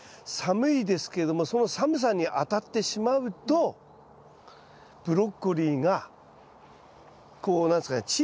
寒いですけれどもその寒さにあたってしまうとブロッコリーがこう何ですかね